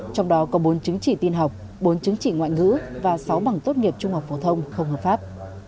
trong đó có bốn chứng chỉ tin học bốn chứng chỉ ngoại ngữ và sáu bằng tốt nghiệp trung học phổ thông không hợp pháp